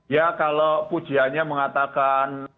ya kalau pujiannya mengatakan